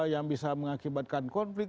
yang bisa mengakibatkan konflik